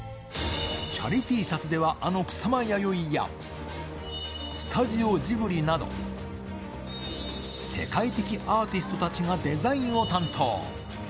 チャリＴシャツでは、あの草間彌生や、スタジオジブリなど、世界的アーティストたちがデザインを担当。